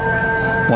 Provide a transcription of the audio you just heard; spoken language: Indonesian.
mau diterima pak